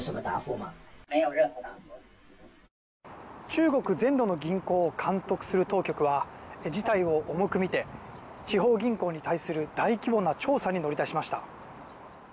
中国全土の銀行を監督する当局は事態を重く見て地方銀行に対する大規模な調査に乗り出しました。